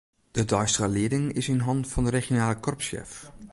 De deistige lieding is yn hannen fan de regionale korpssjef.